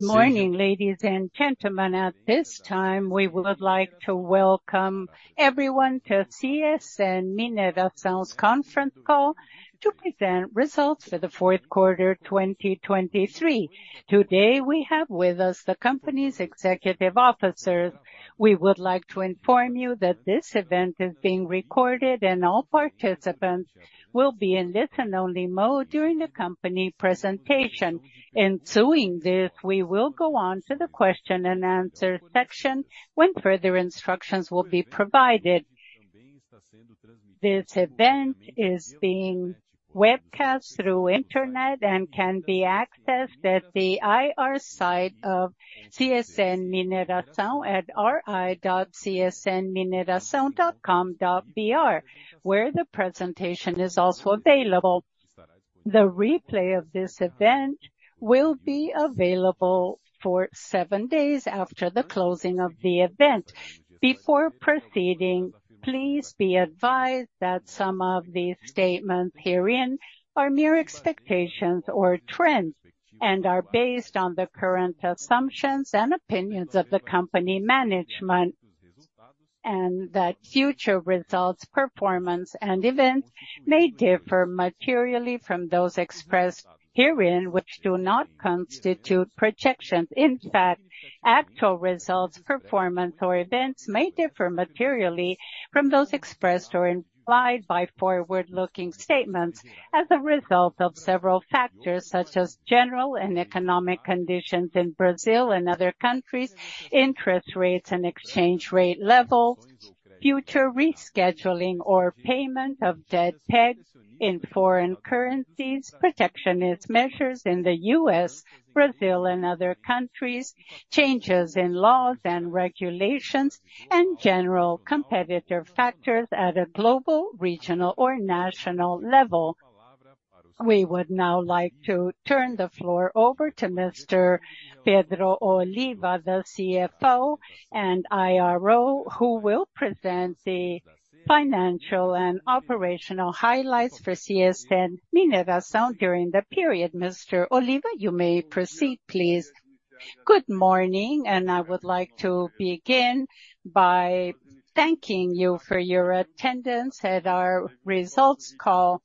Good morning, ladies and gentlemen. At this time, we would like to welcome everyone to CSN Mineração's conference call to present results for the fourth quarter 2023. Today we have with us the company's executive officers. We would like to inform you that this event is being recorded and all participants will be in listen-only mode during the company presentation. In doing this, we will go on to the question-and-answer section when further instructions will be provided. This event is being webcast through the internet and can be accessed at the IR site of CSN Mineração at ri.csnmineração.com.br, where the presentation is also available. The replay of this event will be available for seven days after the closing of the event. Before proceeding, please be advised that some of these statements herein are mere expectations or trends and are based on the current assumptions and opinions of the company management, and that future results, performance, and events may differ materially from those expressed herein, which do not constitute projections. In fact, actual results, performance, or events may differ materially from those expressed or implied by forward-looking statements as a result of several factors such as general and economic conditions in Brazil and other countries, interest rates and exchange rate levels, future rescheduling or payment of debt pegs in foreign currencies, protectionist measures in the U.S., Brazil, and other countries, changes in laws and regulations, and general competitive factors at a global, regional, or national level. We would now like to turn the floor over to Mr. Pedro Oliva, the CFO and IRO, who will present the financial and operational highlights for CSN Mineração during the period. Mr. Oliva, you may proceed, please. Good morning, and I would like to begin by thanking you for your attendance at our results call.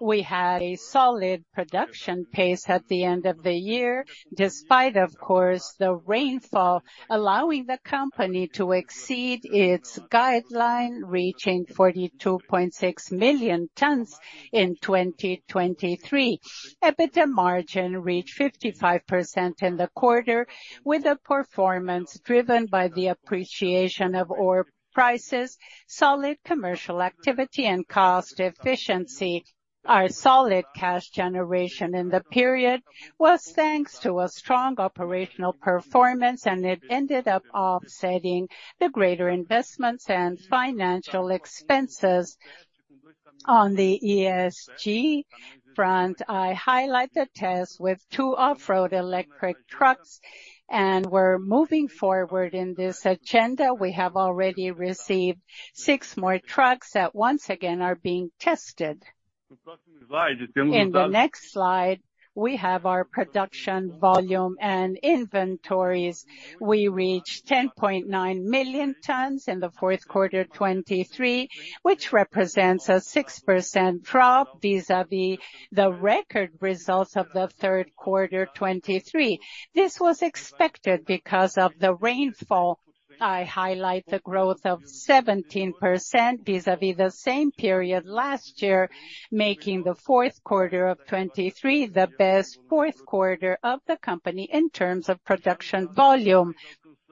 We had a solid production pace at the end of the year, despite, of course, the rainfall, allowing the company to exceed its guidance, reaching 42.6 million tons in 2023. EBITDA margin reached 55% in the quarter, with a performance driven by the appreciation of oil prices, solid commercial activity, and cost efficiency. Our solid cash generation in the period was thanks to a strong operational performance, and it ended up offsetting the greater investments and financial expenses on the ESG front. I highlight the test with two off-road electric trucks, and we're moving forward in this agenda. We have already received six more trucks that once again are being tested. In the next slide, we have our production volume and inventories. We reached 10.9 million tons in the fourth quarter 2023, which represents a 6% drop vis-à-vis the record results of the third quarter 2023. This was expected because of the rainfall. I highlight the growth of 17% vis-à-vis the same period last year, making the fourth quarter of 2023 the best fourth quarter of the company in terms of production volume.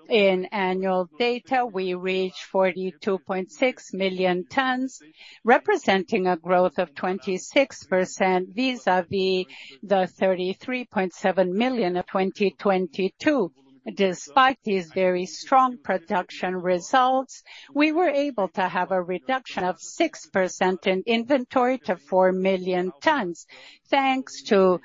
In annual data, we reached 42.6 million tons, representing a growth of 26% vis-à-vis the 33.7 million of 2022. Despite these very strong production results, we were able to have a reduction of 6% in inventory to 4 million tons, thanks to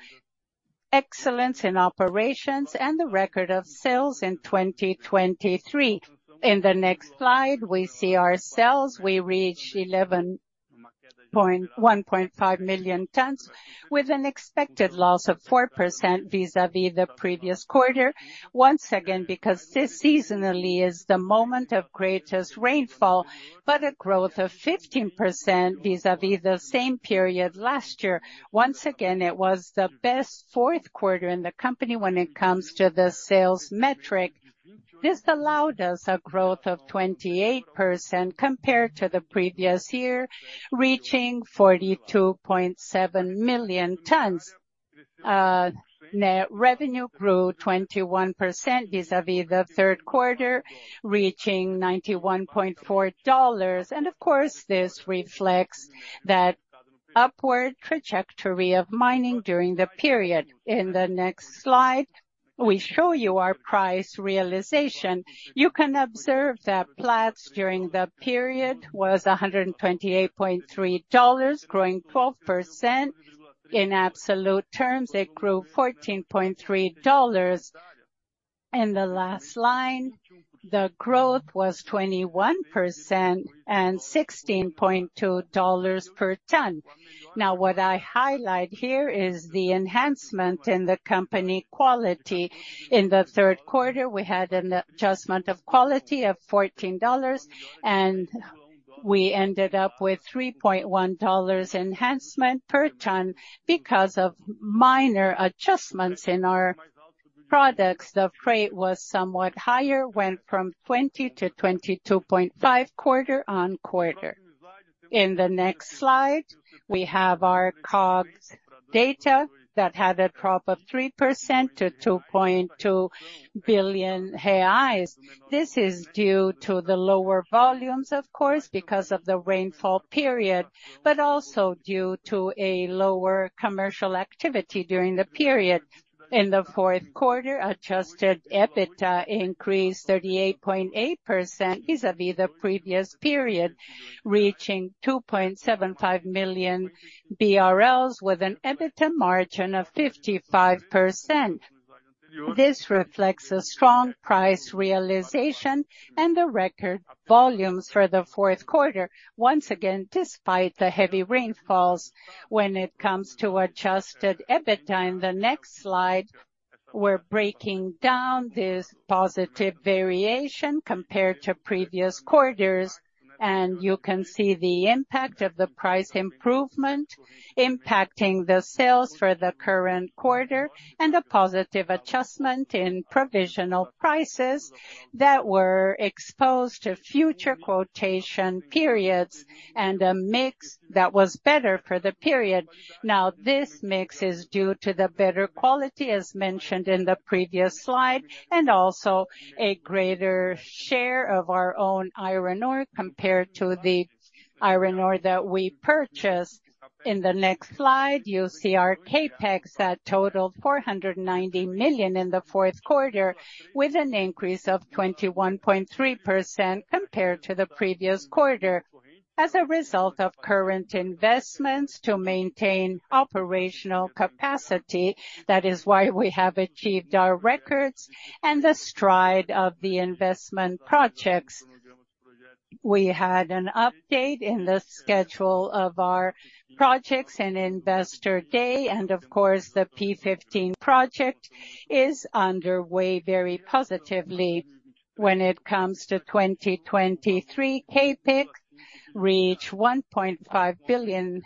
excellence in operations and the record of sales in 2023. In the next slide, we see our sales. We reached 11.15 million tons, with an expected loss of 4% vis-à-vis the previous quarter, once again because this seasonally is the moment of greatest rainfall, but a growth of 15% vis-à-vis the same period last year. Once again, it was the best fourth quarter in the company when it comes to the sales metric. This allowed us a growth of 28% compared to the previous year, reaching 42.7 million tons. Net revenue grew 21% vis-à-vis the third quarter, reaching $91.4. And of course, this reflects that upward trajectory of mining during the period. In the next slide, we show you our price realization. You can observe that Platts during the period was $128.3, growing 12%. In absolute terms, it grew $14.3. In the last line, the growth was 21% and $16.2 per ton. Now, what I highlight here is the enhancement in the company quality. In the third quarter, we had an adjustment of quality of $14, and we ended up with $3.1 enhancement per ton because of minor adjustments in our products. The freight was somewhat higher, went from 20-22.5 quarter-over-quarter. In the next slide, we have our COGS data that had a drop of 3% to 2.2 billion reais. This is due to the lower volumes, of course, because of the rainfall period, but also due to a lower commercial activity during the period. In the fourth quarter, adjusted EBITDA increased 38.8% vis-à-vis the previous period, reaching 2.75 billion BRL with an EBITDA margin of 55%. This reflects a strong price realization and the record volumes for the fourth quarter, once again despite the heavy rainfalls when it comes to adjusted EBITDA. In the next slide, we're breaking down this positive variation compared to previous quarters, and you can see the impact of the price improvement impacting the sales for the current quarter and the positive adjustment in provisional prices that were exposed to future quotation periods and a mix that was better for the period. Now, this mix is due to the better quality, as mentioned in the previous slide, and also a greater share of our own iron ore compared to the iron ore that we purchased. In the next slide, you'll see our CAPEX that totaled $490 million in the fourth quarter, with an increase of 21.3% compared to the previous quarter as a result of current investments to maintain operational capacity. That is why we have achieved our records and the stride of the investment projects. We had an update in the schedule of our projects and investor day, and of course, the P15 project is underway very positively. When it comes to 2023, CAPEX reached BRL 1.5 billion,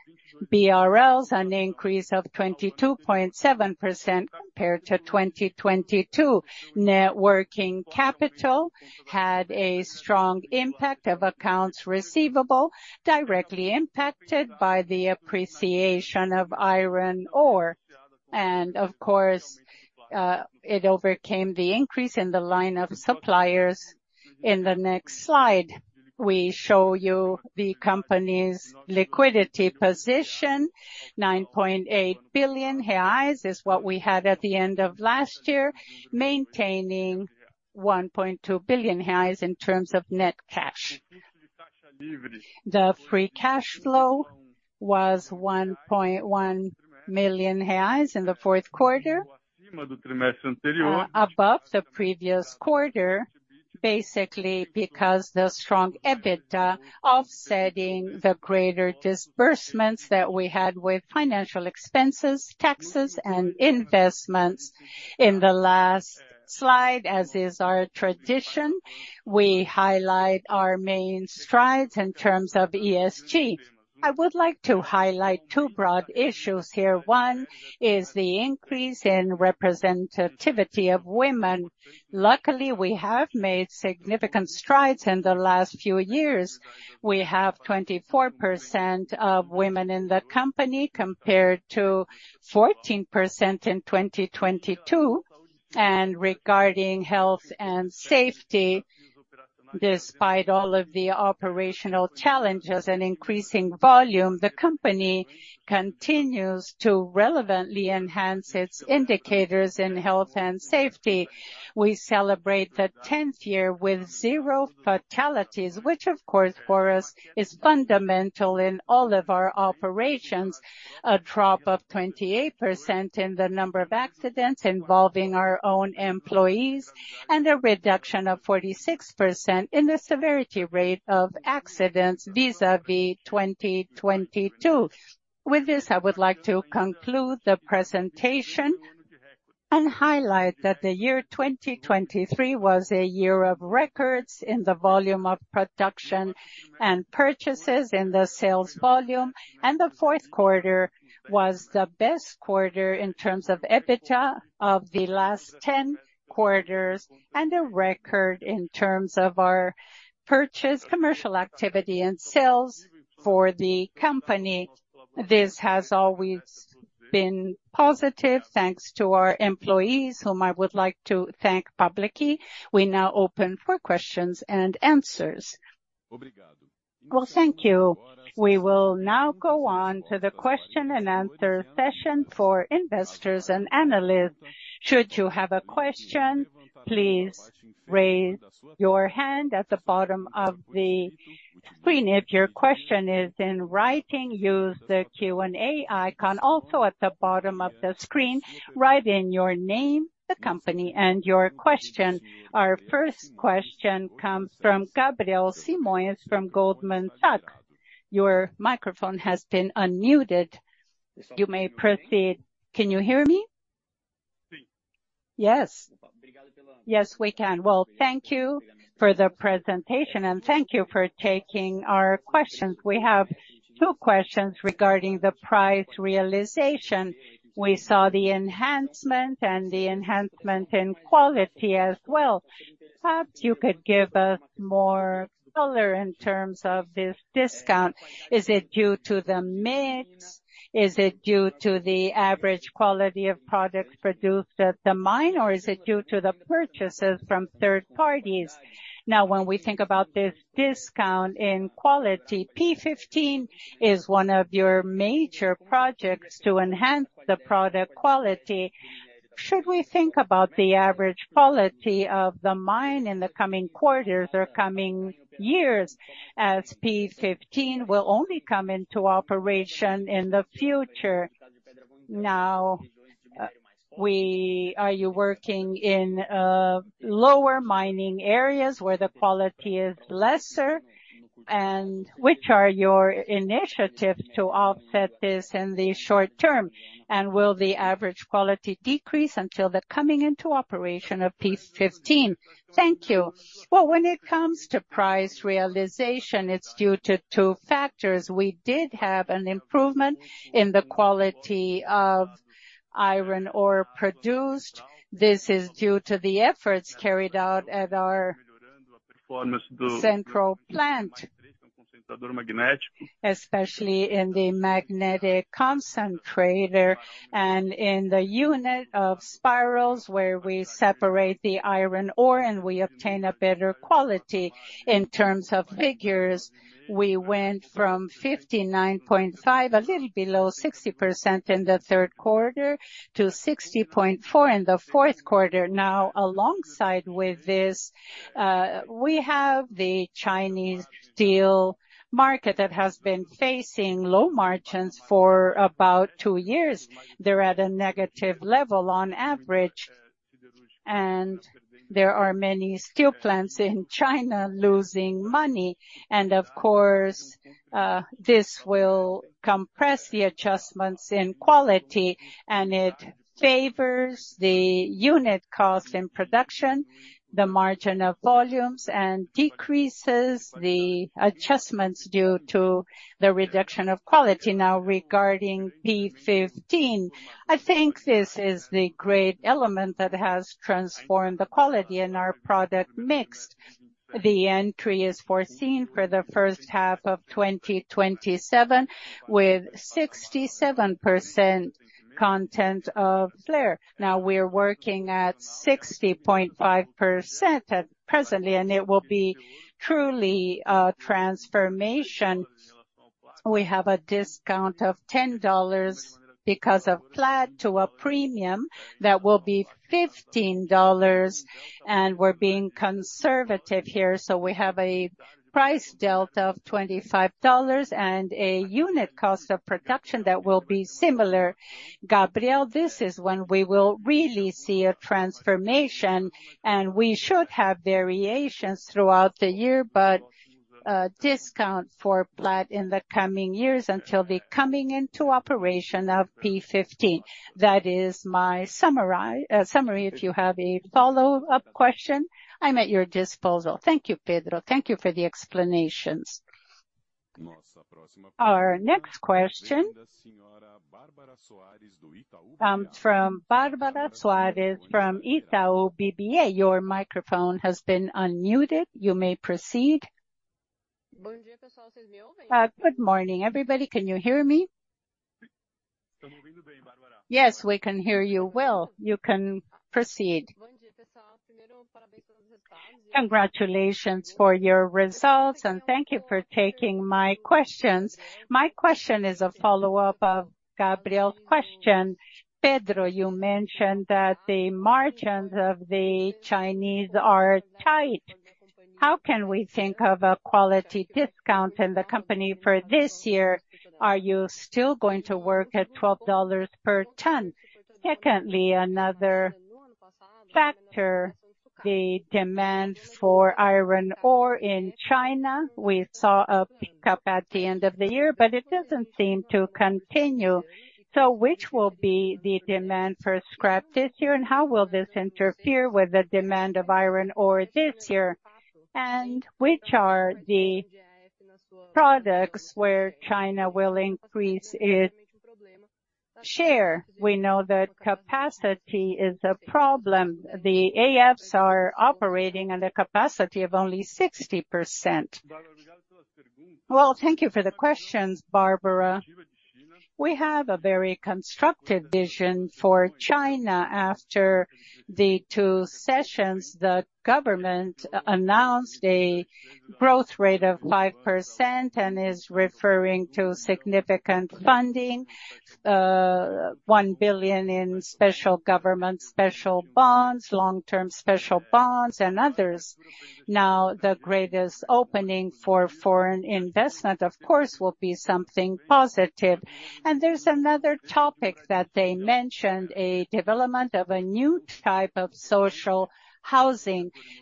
an increase of 22.7% compared to 2022. Net working capital had a strong impact of accounts receivable directly impacted by the appreciation of iron ore, and of course, it overcame the increase in the line of suppliers. In the next slide, we show you the company's liquidity position. 9.8 billion reais is what we had at the end of last year, maintaining 1.2 billion reais in terms of net cash. The free cash flow was 1.1 million reais in the fourth quarter, above the previous quarter, basically because the strong EBITDA offsetting the greater disbursements that we had with financial expenses, taxes, and investments. In the last slide, as is our tradition, we highlight our main strides in terms of ESG. I would like to highlight two broad issues here. One is the increase in representativity of women. Luckily, we have made significant strides in the last few years. We have 24% of women in the company compared to 14% in 2022. Regarding health and safety, despite all of the operational challenges and increasing volume, the company continues to relevantly enhance its indicators in health and safety. We celebrate the 10th year with zero fatalities, which of course for us is fundamental in all of our operations. A drop of 28% in the number of accidents involving our own employees and a reduction of 46% in the severity rate of accidents vis-à-vis 2022. With this, I would like to conclude the presentation and highlight that the year 2023 was a year of records in the volume of production and purchases, in the sales volume. The fourth quarter was the best quarter in terms of EBITDA of the last 10 quarters and a record in terms of our purchase, commercial activity, and sales for the company. This has always been positive, thanks to our employees, whom I would like to thank publicly. We now open for questions and answers. Well, thank you. We will now go on to the question-and-answer session for investors and analysts. Should you have a question, please raise your hand at the bottom of the screen. If your question is in writing, use the Q&A icon also at the bottom of the screen. Write in your name, the company, and your question. Our first question comes from Gabriel Simões from Goldman Sachs. Your microphone has been unmuted. You may proceed. Can you hear me? Yes. Yes, we can. Well, thank you for the presentation, and thank you for taking our questions. We have two questions regarding the price realization. We saw the enhancement and the enhancement in quality as well. Perhaps you could give us more color in terms of this discount. Is it due to the mix? Is it due to the average quality of products produced at the mine, or is it due to the purchases from third parties? Now, when we think about this discount in quality, P15 is one of your major projects to enhance the product quality. Should we think about the average quality of the mine in the coming quarters or coming years as P15 will only come into operation in the future? Now, are you working in lower mining areas where the quality is lesser, and which are your initiatives to offset this in the short term? And will the average quality decrease until the coming into operation of P15? Thank you. Well, when it comes to price realization, it's due to two factors. We did have an improvement in the quality of iron ore produced. This is due to the efforts carried out at our central plant, especially in the magnetic concentrator and in the unit of spirals where we separate the iron ore and we obtain a better quality. In terms of figures, we went from 59.5, a little below 60% in the third quarter, to 60.4% in the fourth quarter. Now, alongside with this, we have the Chinese steel market that has been facing low margins for about two years. They're at a negative level on average, and there are many steel plants in China losing money. Of course, this will compress the adjustments in quality, and it favors the unit cost in production, the margin of volumes, and decreases the adjustments due to the reduction of quality. Now, regarding P15, I think this is the great element that has transformed the quality in our product mix. The entry is foreseen for the first half of 2027 with 67% content of Fe. Now we're working at 60.5% presently, and it will be truly a transformation. We have a discount of $10 because of Platts to a premium that will be $15, and we're being conservative here. We have a price delta of $25 and a unit cost of production that will be similar. Gabriel, this is when we will really see a transformation, and we should have variations throughout the year, but a discount for Platts in the coming years until the coming into operation of P15. That is my summary. Summary. If you have a follow-up question, I'm at your disposal. Thank you, Pedro. Thank you for the explanations. Our next question comes from Bárbara Soares from Itaú BBA. Your microphone has been unmuted. You may proceed. Bom dia, pessoal. Vocês me ouvem? Good morning, everybody. Can you hear me? Estamos ouvindo bem, Bárbara. Yes, we can hear you well. You can proceed. Bom dia, pessoal. Primeiro, parabéns pelos resultados. Congratulations for your results, and thank you for taking my questions. My question is a follow-up of Gabriel's question. Pedro, you mentioned that the margins of the Chinese are tight. How can we think of a quality discount in the company for this year? Are you still going to work at $12 per ton? Secondly, another factor, the demand for iron ore in China. We saw a pickup at the end of the year, but it doesn't seem to continue. So which will be the demand prescribed this year, and how will this interfere with the demand of iron ore this year, and which are the products where China will increase its share? We know that capacity is a problem. The EAFs are operating on a capacity of only 60%. Well, thank you for the questions, Bárbara. We have a very constructive vision for China. After the two sessions, the government announced a growth rate of 5% and is referring to significant funding: $1 billion in special government special bonds, long-term special bonds, and others. Now, the greatest opening for foreign investment, of course, will be something positive. There's another topic that they mentioned, a development of a new type of social housing.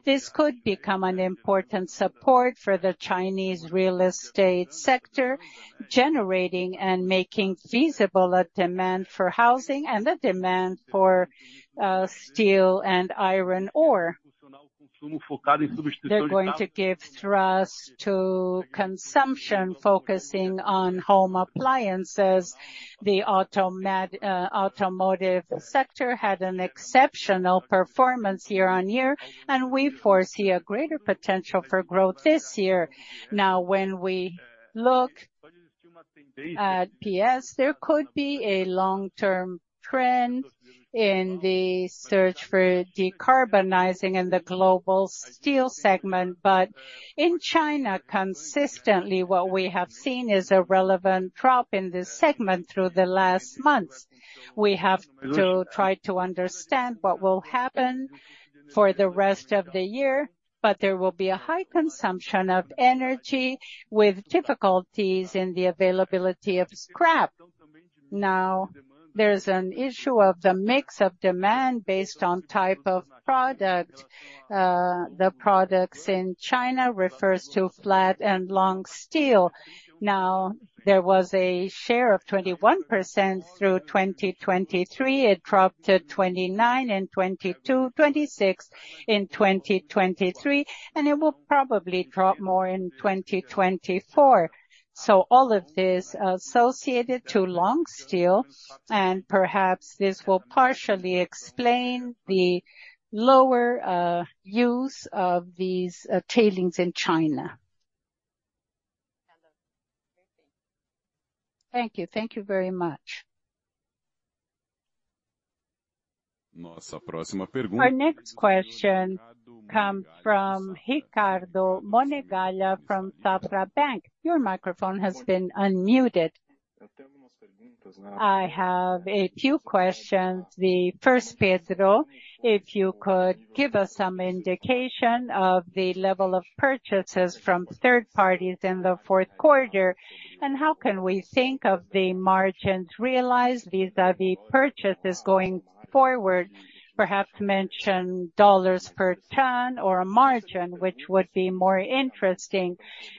This could become an important support for the Chinese real estate sector, generating and making feasible a demand for housing and the demand for steel and iron ore. They're going to give thrust to consumption, focusing on home appliances. The automotive sector had an exceptional performance year-over-year, and we foresee a greater potential for growth this year. Now, when we look at PS, there could be a long-term trend in the search for decarbonizing in the global steel segment. But in China, consistently, what we have seen is a relevant drop in this segment through the last months. We have to try to understand what will happen for the rest of the year, but there will be a high consumption of energy with difficulties in the availability of scrap. Now, there's an issue of the mix of demand based on type of product. The products in China refers to flat and long steel. Now, there was a share of 21% through 2023. It dropped to 29% in 2022, 26% in 2023, and it will probably drop more in 2024. So all of this is associated with long steel, and perhaps this will partially explain the lower use of these tailings in China. Thank you. Thank you very much. Nossa próxima pergunta. Our next question comes from Ricardo Monegaglia from Safra. Your microphone has been unmuted. I have a few questions. The first, Pedro, if you could give us some indication of the level of purchases from third parties in the fourth quarter, and how can we think of the margins realized vis-à-vis purchases going forward? Perhaps mention $ per ton or a margin, which would be more interesting.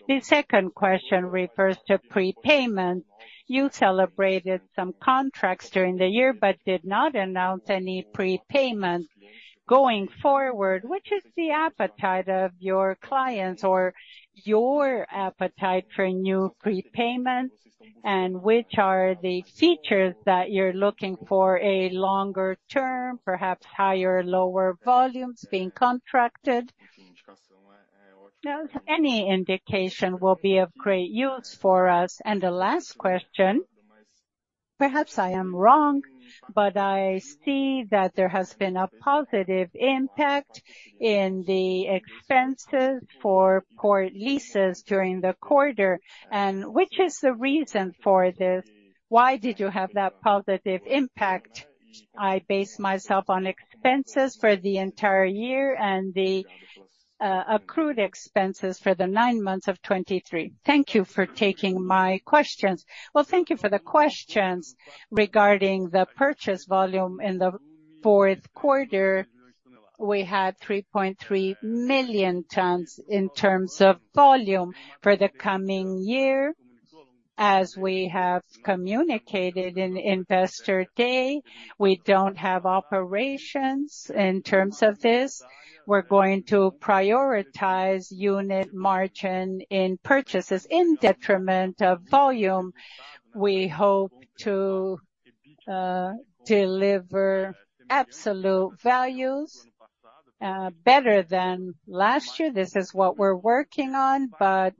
The second question refers to prepayment. You celebrated some contracts during the year but did not announce any prepayment going forward. Which is the appetite of your clients or your appetite for new prepayments, and which are the features that you're looking for? A longer term, perhaps higher or lower volumes being contracted? Any indication will be of great use for us. And the last question, perhaps I am wrong, but I see that there has been a positive impact in the expenses for port leases during the quarter. And which is the reason for this? Why did you have that positive impact? I base myself on expenses for the entire year and the accrued expenses for the nine months of 2023. Thank you for taking my questions. Well, thank you for the questions. Regarding the purchase volume in the fourth quarter, we had 3.3 million tons in terms of volume for the coming year. As we have communicated in Investor Day, we don't have operations in terms of this. We're going to prioritize unit margin in purchases in detriment of volume. We hope to deliver absolute values better than last year. This is what we're working on, but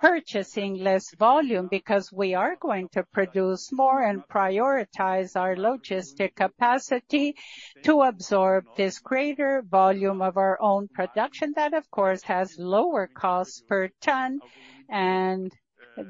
purchasing less volume because we are going to produce more and prioritize our logistic capacity to absorb this greater volume of our own production that, of course, has lower costs per ton, and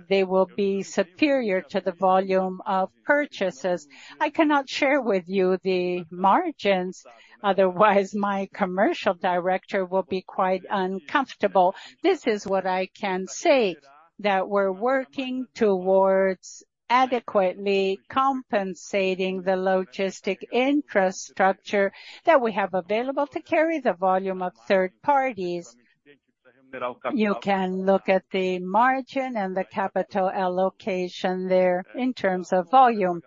they will be superior to the volume of purchases. I cannot share with you the margins. Otherwise, my commercial director will be quite uncomfortable. This is what I can say: that we're working towards adequately compensating the logistics infrastructure that we have available to carry the volume of third parties. You can look at the margin and the capital allocation there in terms of volume.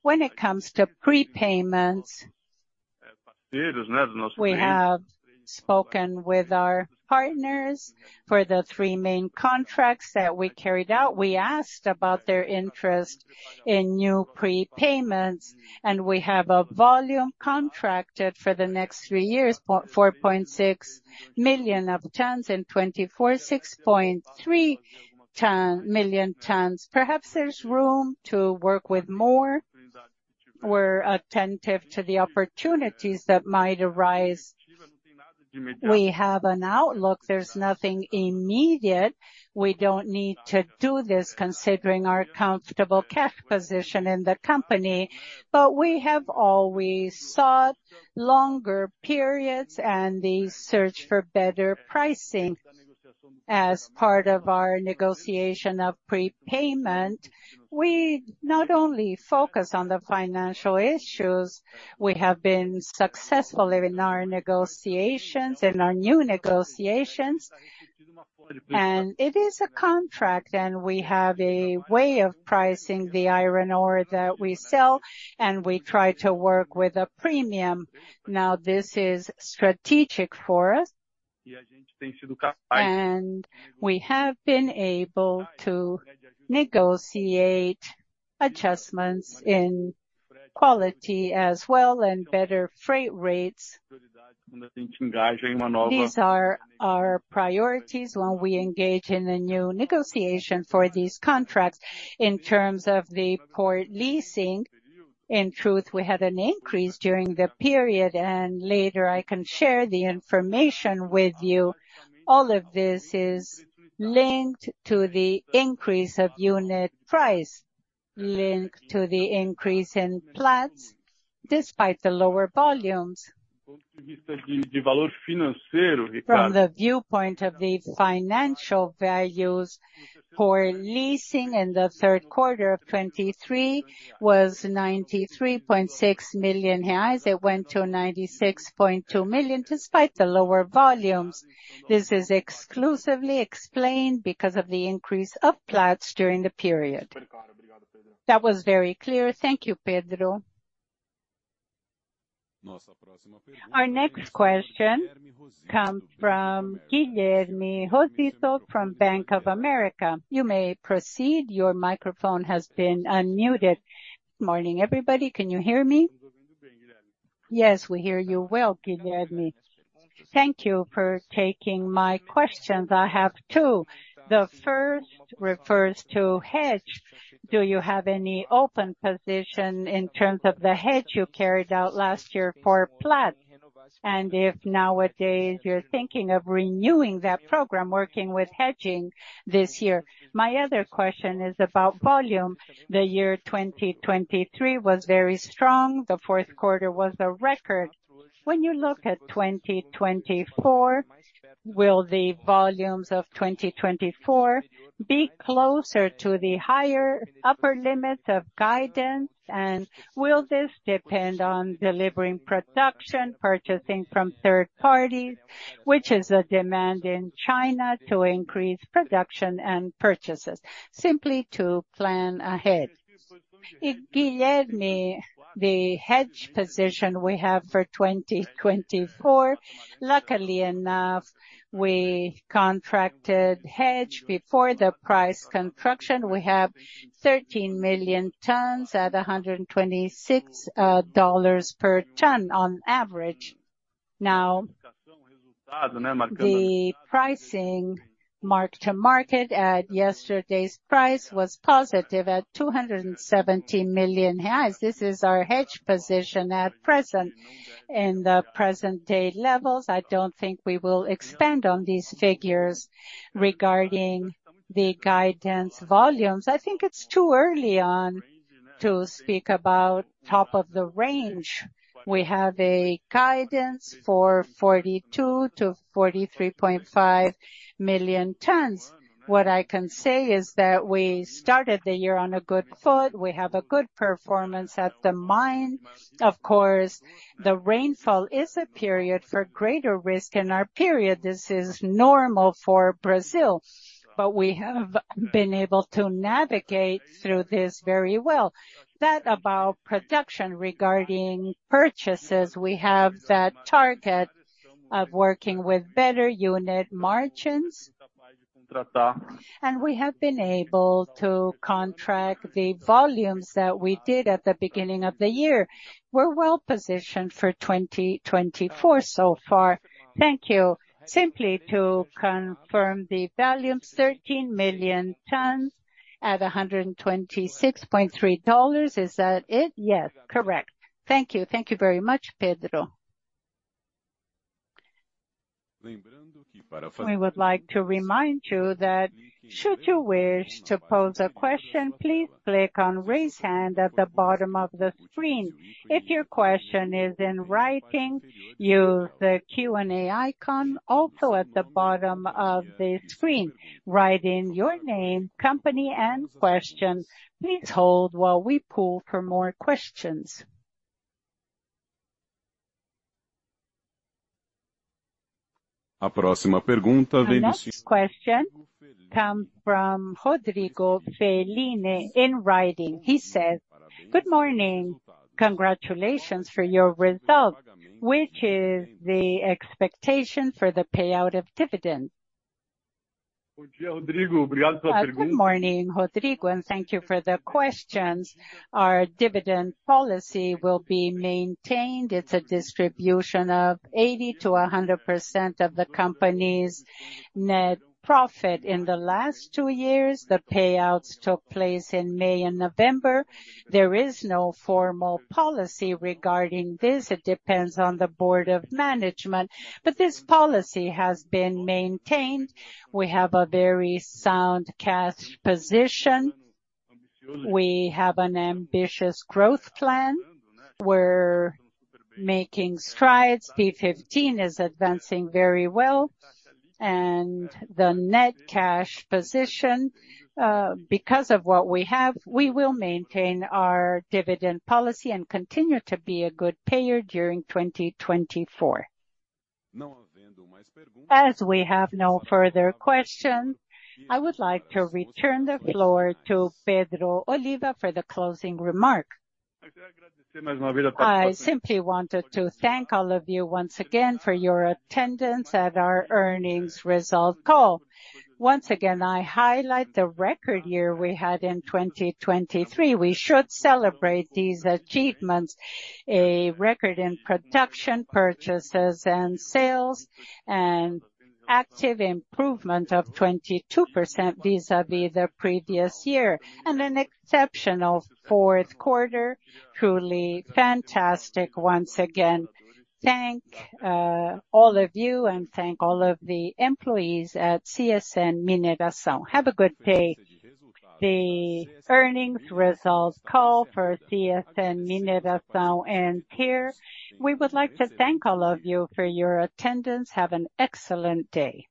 When it comes to prepayments, we have spoken with our partners for the three main contracts that we carried out. We asked about their interest in new prepayments, and we have a volume contracted for the next three years: 4.6 million of tons in 2024, 6.3 million tons. Perhaps there's room to work with more. We're attentive to the opportunities that might arise. We have an outlook. There's nothing immediate. We don't need to do this considering our comfortable cash position in the company, but we have always sought longer periods and the search for better pricing. As part of our negotiation of prepayment, we not only focus on the financial issues. We have been successful in our negotiations, in our new negotiations, and it is a contract, and we have a way of pricing the iron ore that we sell, and we try to work with a premium. Now, this is strategic for us, and we have been able to negotiate adjustments in quality as well and better freight rates. These are our priorities when we engage in a new negotiation for these contracts. In terms of the port leasing, in truth, we had an increase during the period, and later I can share the information with you. All of this is linked to the increase of unit price, linked to the increase in plats despite the lower volumes. From the viewpoint of the financial values, port leasing in the third quarter of 2023 was 93.6 million reais. It went to 96.2 million despite the lower volumes. This is exclusively explained because of the increase of plats during the period. That was very clear. Thank you, Pedro. Nossa próxima pergunta. Our next question comes from Guilherme Rosito from Bank of America. You may proceed. Your microphone has been unmuted. Good morning, everybody. Can you hear me? Yes, we hear you well, Guilherme. Thank you for taking my questions. I have two. The first refers to hedge. Do you have any open position in terms of the hedge you carried out last year for plats, and if nowadays you're thinking of renewing that program, working with hedging this year? My other question is about volume. The year 2023 was very strong. The fourth quarter was a record. When you look at 2024, will the volumes of 2024 be closer to the higher upper limits of guidance, and will this depend on delivering production, purchasing from third parties, which is a demand in China to increase production and purchases, simply to plan ahead? Guilherme, the hedge position we have for 2024, luckily enough, we contracted hedge before the price construction. We have 13 million tons at $126 per ton on average. Now, the pricing mark-to-market at yesterday's price was positive at 270 million reais. This is our hedge position at present in the present-day levels. I don't think we will expand on these figures regarding the guidance volumes. I think it's too early to speak about top of the range. We have a guidance for 42-43.5 million tons. What I can say is that we started the year on a good foot. We have a good performance at the mine. Of course, the rainfall is a period for greater risk in our period. This is normal for Brazil, but we have been able to navigate through this very well. That about production regarding purchases, we have that target of working with better unit margins, and we have been able to contract the volumes that we did at the beginning of the year. We're well positioned for 2024 so far. Thank you. Simply to confirm the value, 13 million tons at $126.3. Is that it? Yes, correct. Thank you. Thank you very much, Pedro. We would like to remind you that should you wish to pose a question, please click on "Raise Hand" at the bottom of the screen. If your question is in writing, use the Q&A icon also at the bottom of the screen. Write in your name, company, and question. Please hold while we pull for more questions. A próxima pergunta veio do. Next question comes from Rodrigo Fellin in writing. He says, "Good morning. Congratulations for your result. Which is the expectation for the payout of dividends?" Bom dia, Rodrigo. Obrigado pela pergunta. Good morning, Rodrigo, and thank you for the questions. Our dividend policy will be maintained. It's a distribution of 80%-100% of the company's net profit in the last two years. The payouts took place in May and November. There is no formal policy regarding this. It depends on the board of management, but this policy has been maintained. We have a very sound cash position. We have an ambitious growth plan. We're making strides. P15 is advancing very well, and the net cash position, because of what we have, we will maintain our dividend policy and continue to be a good payer during 2024. As we have no further questions, I would like to return the floor to Pedro Oliva for the closing remark. I simply wanted to thank all of you once again for your attendance at our earnings result call. Once again, I highlight the record year we had in 2023. We should celebrate these achievements: a record in production, purchases, and sales, and EBITDA improvement of 22% vis-à-vis the previous year, and an exceptional fourth quarter. Truly fantastic. Once again, thank all of you and thank all of the employees at CSN Mineração. Have a good day. The earnings result call for CSN Mineração and Q&A. We would like to thank all of you for your attendance. Have an excellent day.